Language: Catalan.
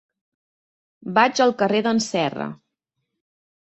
Vaig al carrer d'en Serra.